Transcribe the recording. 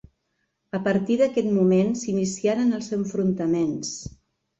A partir d'aquest moment s'iniciaren els enfrontaments.